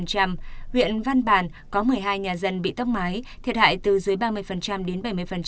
huyện văn bàn có một mươi hai nhà dân bị tốc mái thiệt hại từ dưới ba mươi đến bảy mươi